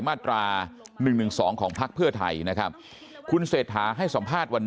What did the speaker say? มาตรา๑๑๒ของพักเพื่อไทยนะครับคุณเศรษฐาให้สัมภาษณ์วัน